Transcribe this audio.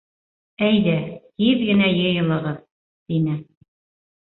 — Әйҙә, тиҙ генә йыйылығыҙ! — тине.